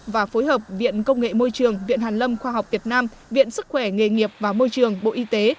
và phối hợp viện công nghệ môi trường viện hàn lâm khoa học việt nam viện sức khỏe nghề nghiệp và môi trường bộ y tế